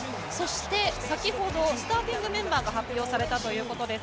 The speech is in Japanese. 先ほどスターティングメンバーが発表されたということです。